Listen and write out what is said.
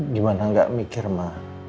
gimana gak mikir ma